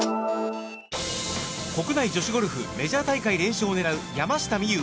国内女子ゴルフメジャー大会連勝を狙う山下美夢